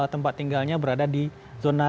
tempat tinggalnya berada di zona